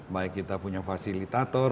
baik kita punya fasilitator